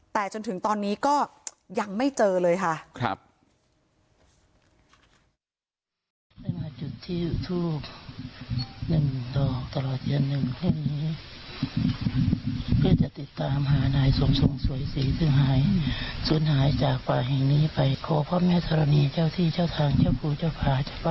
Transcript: แต่จนถึงตอนนี้ก็ยังไม่เจอเลยค่ะ